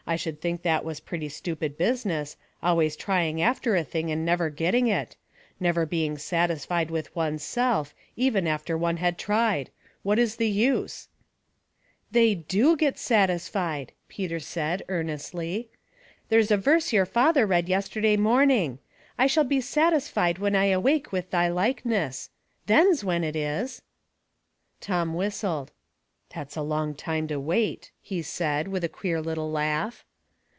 1 should think that was pretty stupid business, always trying after a thing and never getting it ; never being satisfie(? 3 34 Household Puzzles, with one*s self, even after one had tried. What is the use ?"" They do get satisfied," Peter said, earnestly. *' There's a verse your father read yesterday morning, * I shall be satisfied when I awake with thy likeness.' Then's when it is." Tom whistled. '' That's a long time to wait," he said, with a queer little laugh.